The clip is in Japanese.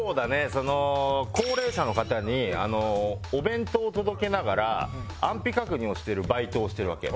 その高齢者の方にお弁当を届けながら安否確認をしてるバイトをしてるわけ。